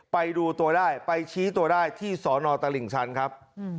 ไปดูตัวได้ไปชี้ตัวได้ที่สอนอตลิ่งชันครับ